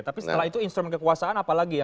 tapi setelah itu instrumen kekuasaan apa lagi